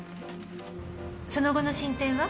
その後の進展は？